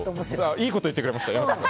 いいこと言ってくれました山崎さん。